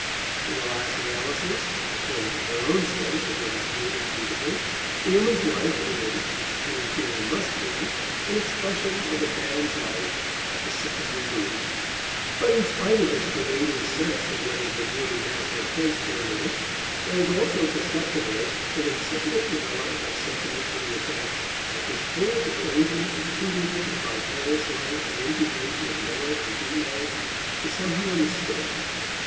In the last analysis, according to her own sense of what is good and beautiful, the woman's life is, and in theory must be, an expression of the man's life at the second remove. But in spite of this pervading sense of what is the good and natural place for the woman, there is also perceptible an incipient development of sentiment to the effect that this whole arrangement of tutelage and vicarious life and imputation of merit and demerit is somehow a mistake.